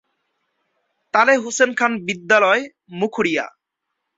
তালে হুসেন খান বিদ্যালয়, মুখুরিয়া।